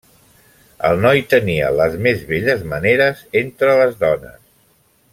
El noi tenia les més belles maneres entre les dones.